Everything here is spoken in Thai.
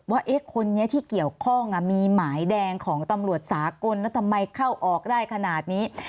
ว่าคนนี้ที่เกี่ยวข้องมีหมายแดงของตำรวจสากลแล้วทำไมเข้าออกได้ขนาดนี้